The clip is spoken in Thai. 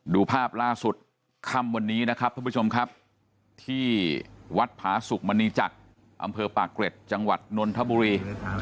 ดูภาพล่าสุดค่ำวันนี้นะครับท่านผู้ชมครับที่วัดผาสุกมณีจักรอำเภอปากเกร็ดจังหวัดนนทบุรี